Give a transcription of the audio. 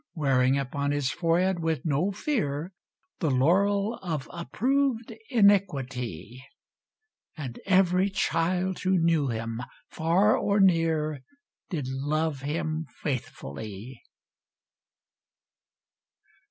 Wearing upon his forehead, with no fear. The laurel of approved iniquity. And every child who knew him, far or near. Did love him faithfully.